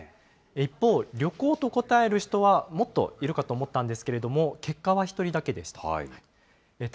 一方、旅行と答える人はもっといるかと思ったんですけれども、結果は１人だけでした。